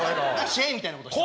シェーみたいなことして。